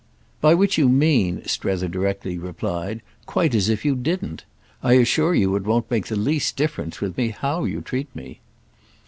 "By which you mean," Strether directly replied, "quite as if you didn't! I assure you it won't make the least difference with me how you treat me."